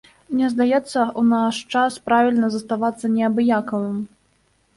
Мне здаецца, у наш час правільна заставацца неабыякавым.